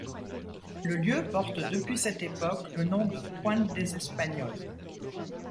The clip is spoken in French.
Le lieu porte depuis cette époque le nom de pointe des Espagnols.